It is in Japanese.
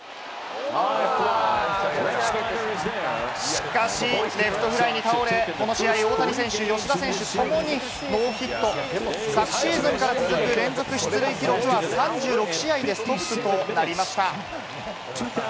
しかしレフトフライに倒れ、この試合、大谷選手、吉田選手ともにノーヒット。昨シーズンから続く連続出塁記録は３６試合でストップとなりました。